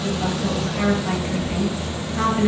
of butter or clarified dripping, 1/2 oz.